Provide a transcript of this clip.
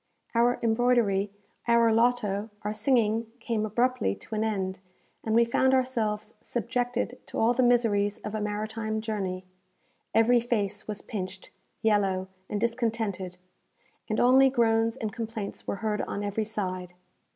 Our embroidery, our loto, our singing came abruptly to an end, and we found ourselves subjected to all the miseries of a maritime journey. Every face was pinched, yellow, and discontented, and only groans and complaints were heard on every side.